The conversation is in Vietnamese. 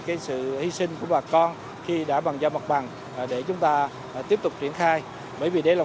cái sự hy sinh của bà con khi đã bằng giao mặt bằng để chúng ta tiếp tục triển khai bởi vì đấy là một